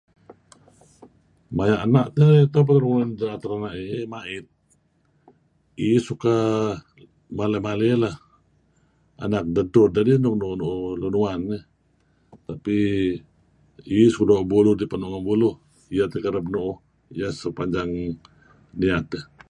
Maya ena' tun teh nuk da'et rena'eyih ma'it, iih suk err suk balih-balih lah anak dedtur dedih nuk nu'uh-nu'uh lun uwan deh tapi err iih suk doo' burur peh nu'uh buluh iyeh teh kereb nu'uh iyeh suk panjang niyat eh.